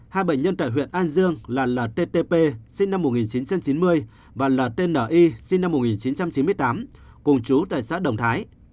hai bệnh nhân tại huyện an dương là lttp sinh năm một nghìn chín trăm chín mươi và ltni sinh năm một nghìn chín trăm chín mươi tám cùng chú tại xã đồng thái